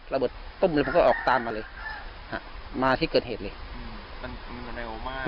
ระเบิดตุ้มเลยมันก็ออกตามมาเลยมาที่เกิดเหตุเลยมันเร็วมาก